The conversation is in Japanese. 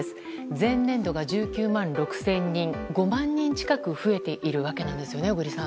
前年度が１９万６０００人で５万人近く増えているわけなんですよね小栗さん。